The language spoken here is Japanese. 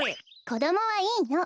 こどもはいいの。